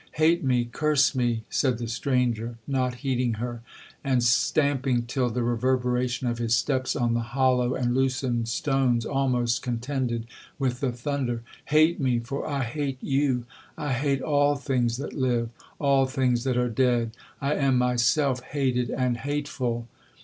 '—'Hate me—curse me!' said the stranger, not heeding her, and stamping till the reverberation of his steps on the hollow and loosened stones almost contended with the thunder; 'hate me, for I hate you—I hate all things that live—all things that are dead—I am myself hated and hateful!'